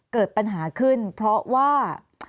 เกิดปัญหาขึ้นเพราะว่า